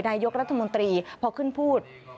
นายกรัฐมนตรีพอขึ้นพูด